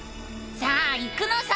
さあ行くのさ！